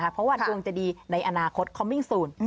เพราะว่าดวงจะดีในอนาคตเขามิ่งศูนย์